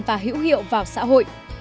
và hữu hiệu vào xã hội